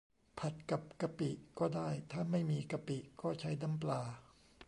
ผัดกับกะปิก็ได้ ถ้าไม่มีกะปิก็ใช้น้ำปลา